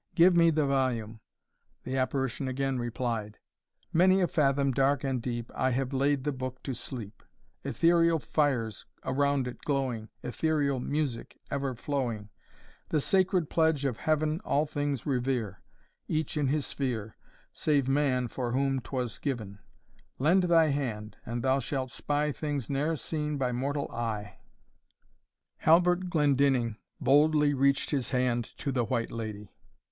Give me the volume." The apparition again replied: "Many a fathom dark and deep I have laid the book to sleep; Ethereal fires around it glowing Ethereal music ever flowing The sacred pledge of Heav'n All things revere. Each in his sphere, Save man for whom 'twas giv'n: Lend thy hand, and thou shalt spy Things ne'er seen by mortal eye." Halbert Glendinning boldly reached his hand to the White Lady.